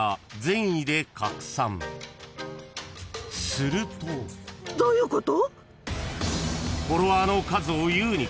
［すると］どういうこと？